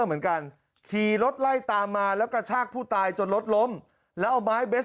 เหมือนกันขี่รถไล่ตามมาแล้วกระชากผู้ตายจนรถล้มแล้วเอาไม้เบส